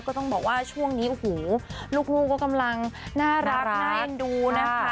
ก็ต้องบอกว่าช่วงนี้โอ้โหลูกก็กำลังน่ารักน่าเอ็นดูนะคะ